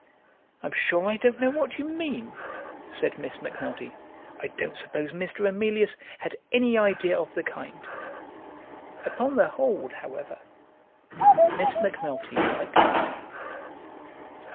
"I'm sure I don't know what you mean," said Miss Macnulty. "I don't suppose Mr. Emilius had any idea of the kind." Upon the whole, however, Miss Macnulty liked it.